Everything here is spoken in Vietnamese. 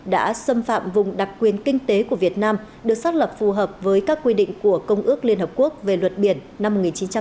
đã xâm phạm vùng đặc quyền kinh tế của việt nam được xác lập phù hợp với các quy định của công ước liên hợp quốc về luật biển năm một nghìn chín trăm tám mươi hai